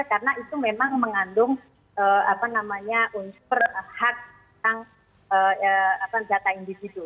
karena itu memang mengandung unsur hak tentang data individu